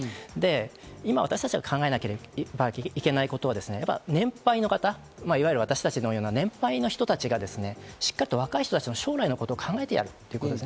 今、私たちが考えなければいけないことは年配の方、いわゆる私達のような年配の人たちがしっかりと若い人たちの将来のことを考えてやるということ。